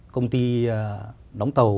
công ty đóng tàu